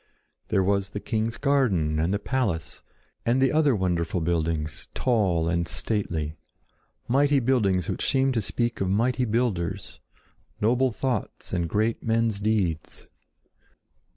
There was the king's garden and the palace, and the other wonderful buildings, tall and stately—mighty buildings which seemed to speak of mighty builders, noble thoughts and great men's deeds.